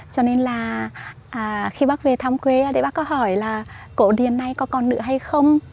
cho nên là khi bác về thăm quê thì bác có hỏi là cổ điển này có con nữ hay không